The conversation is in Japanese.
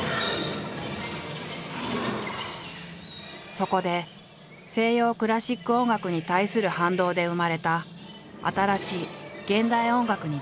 そこで西洋クラシック音楽に対する反動で生まれた新しい現代音楽に出会った。